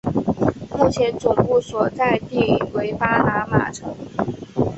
目前总部所在地为巴拿马城。